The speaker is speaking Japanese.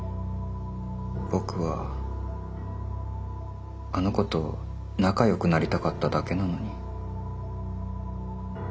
僕はあの子と仲よくなりたかっただけなのに。